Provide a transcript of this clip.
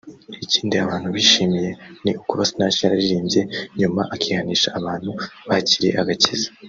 Ikindi abantu bishimiye ni ukuba Sinach yararirimbye nyuma akihanisha abantu bakiriye agakiza